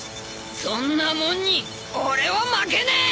そんなもんに俺は負けねえ！